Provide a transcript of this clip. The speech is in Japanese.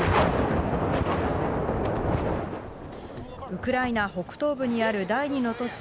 ウクライナ北東部にある第２の都市